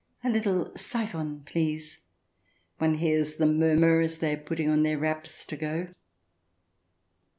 '* A little syphon, please," one hears them murmur as they are putting on their wraps to go.